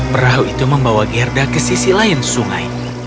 perahu itu membawa gerda ke sisi lain sungai